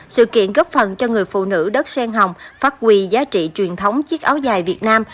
sự kiện góp phần cho người phụ nữ đất sen hồng phát huy giá trị truyền thống chiếc áo dài việt nam